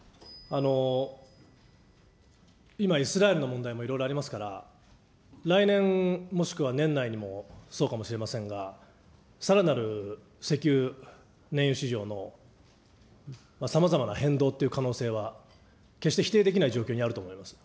今、イスラエルの問題もいろいろありますから、来年、もしくは年内にもそうかもしれませんが、さらなる石油燃油市場のさまざまな変動という可能性は決して否定できない状況にあると思います。